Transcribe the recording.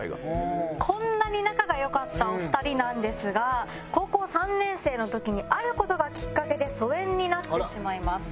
こんなに仲が良かったお二人なんですが高校３年生の時にある事がきっかけで疎遠になってしまいます。